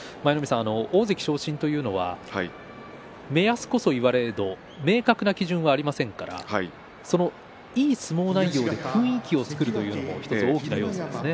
大関昇進というのは目安こそ言われど明確な基準はありませんからいい相撲内容で雰囲気を作るというのも１つ大きな要素ですね。